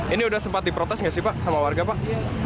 ini sudah sempat diprotes nggak sih pak sama warga pak